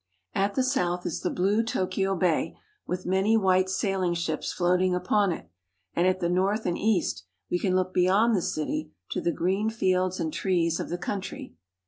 At the south is the blue Tokyo Bay, with many white sailing ships floating upon it, and at the north and east we can look beyond the city to the green fields and trees of the country.